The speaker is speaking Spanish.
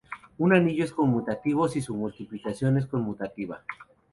Un anillo es conmutativo si su multiplicación es "conmutativa.